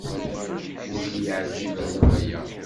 Ur yi-yeɛǧib ara waya.